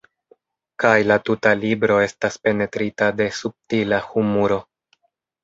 Kaj la tuta libro estas penetrita de subtila humuro.